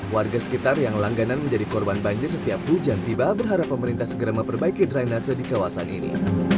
warga sekitar yang langganan menjadi korban banjir setiap hujan tiba berharap pemerintah segera memperbaiki drainase di kawasan ini